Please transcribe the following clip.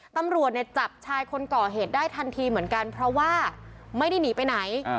ตำรวจเนี่ยจับชายคนก่อเหตุได้ทันทีเหมือนกันเพราะว่าไม่ได้หนีไปไหน